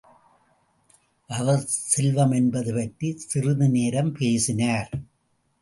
அவர் செல்வம் என்பது பற்றிச் சிறிது நேரம் பேசினார்.